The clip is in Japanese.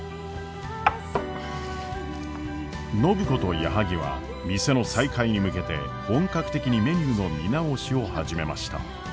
暢子と矢作は店の再開に向けて本格的にメニューの見直しを始めました。